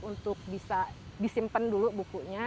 untuk bisa disimpan dulu bukunya